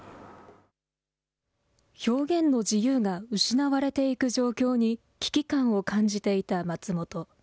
表現の自由が失われていく状況に危機感を感じていた松本。